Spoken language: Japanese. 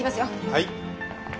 はい。